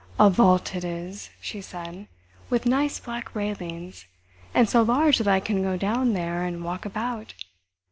"A vault it is," she said, "with nice black railings. And so large that I can go down there and walk about.